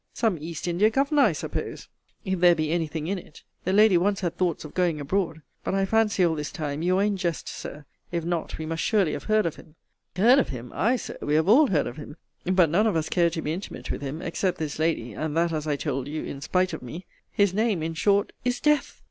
Some East India governor, I suppose, if there be any thing in it. The lady once had thoughts of going abroad. But I fancy all this time you are in jest, Sir. If not, we must surely have heard of him Heard of him! Aye, Sir, we have all heard of him But none of us care to be intimate with him except this lady and that, as I told you, in spite of me his name, in short, is DEATH!